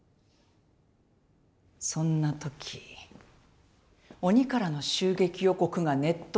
そんな時鬼からの襲撃予告がネットに流れた